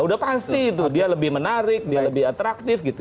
udah pasti itu dia lebih menarik dia lebih atraktif gitu